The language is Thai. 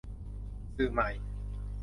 สื่อใหม่